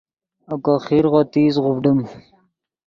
اوکو خیرغو تیز غوڤڈیم